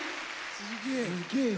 すげえわ。